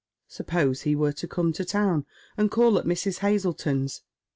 Suppose he were ta oome to town and call at Mrs. Hazleton's.